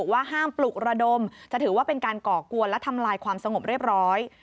ว่าห้ามปลุกระดมจะถือว่าเป็นการก่อกวนและทำลายความสงบเรียบร้อย